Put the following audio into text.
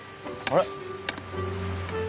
あれ？